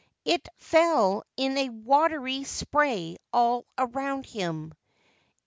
It fell in a watery spray all round him.